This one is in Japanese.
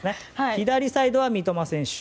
左サイドは三笘選手。